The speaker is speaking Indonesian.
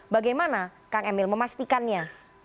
bagaimana kang emil memastikannya